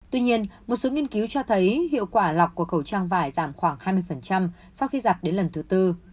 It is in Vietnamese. tuy nhiên một số nghiên cứu cho thấy hiệu quả lọc của khẩu trang vải giảm khoảng hai mươi sau khi giặt đến lần thứ tư